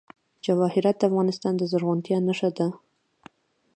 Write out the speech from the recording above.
جواهرات د افغانستان د زرغونتیا نښه ده.